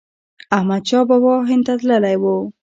احمد شاه بابا هند ته تللی و.